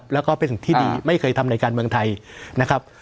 แล้วก็เป็นสิ่งที่ดีไม่เคยทำในการเมืองไทยนะครับ